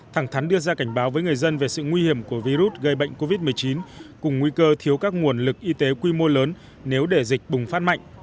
thẳng thắn đưa ra cảnh báo với người dân về sự nguy hiểm của virus gây bệnh covid một mươi chín cùng nguy cơ thiếu các nguồn lực y tế quy mô lớn nếu để dịch bùng phát mạnh